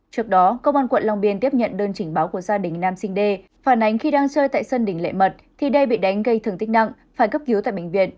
trước đó công an quận long biên tiếp nhận đơn trình báo của gia đình nam sinh đê phản ánh khi đang chơi tại sân đỉnh lệ mật thì đây bị đánh gây thương tích nặng phải cấp cứu tại bệnh viện